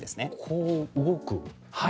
こう動く。